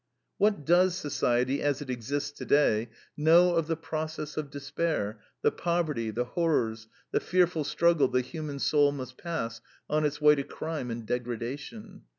What does society, as it exists today, know of the process of despair, the poverty, the horrors, the fearful struggle the human soul must pass on its way to crime and degradation.